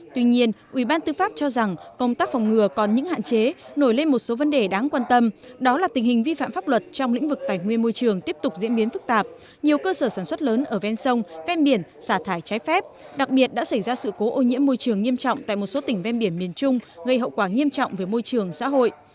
tuy nhiên ủy ban tư pháp cho rằng công tác phòng ngừa còn những hạn chế nổi lên một số vấn đề đáng quan tâm đó là tình hình vi phạm pháp luật trong lĩnh vực tài nguyên môi trường tiếp tục diễn biến phức tạp nhiều cơ sở sản xuất lớn ở ven sông ven biển xả thải trái phép đặc biệt đã xảy ra sự cố ô nhiễm môi trường nghiêm trọng tại một số tỉnh ven biển miền trung gây hậu quả nghiêm trọng về môi trường xã hội